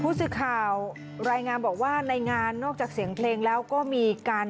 ผู้สื่อข่าวรายงานบอกว่าในงานนอกจากเสียงเพลงแล้วก็มีการ